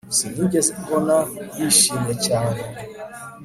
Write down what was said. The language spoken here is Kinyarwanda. sinigeze mbona bishimye cyane